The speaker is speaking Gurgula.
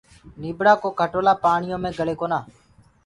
نيٚڀڙآ ڪو کٽولآ پآڻيو مي گݪي ڪونآ